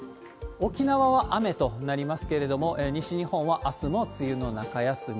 沖縄は雨となりますけれども、西日本はあすも梅雨の中休み。